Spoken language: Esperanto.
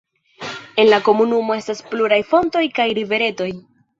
En la komunumo estas pluraj fontoj kaj riveretoj.